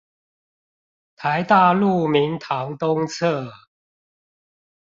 臺大鹿鳴堂東側